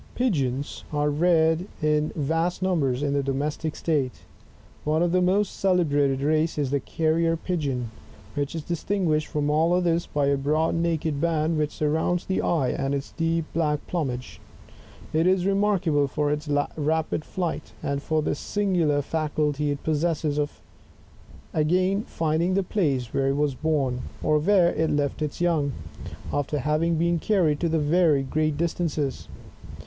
Pigeons are reared in vast numbers in the domestic state; one of the most celebrated races is the Carrier Pigeon^ which is ^stinguished from all others, by a broad naked band which surrounds the eye, and its deep black plumage; it is remark able for its rapid flight, and for the singular faculty it possesses of again finding the place where it was born, or where it left its young, after having been carried to very great distances.